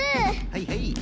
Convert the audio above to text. はいはい。